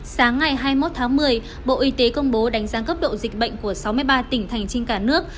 sáng ngày hai mươi một tháng một mươi bộ y tế công bố đánh giá cấp độ dịch bệnh của sáu mươi ba tỉnh thành trên cả nước